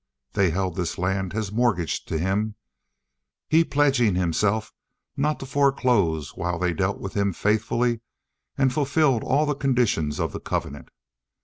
They held this land as mortgaged to him, he pledging himself not to foreclose while they dealt with him faithfully and fulfilled all the conditions of the covenant.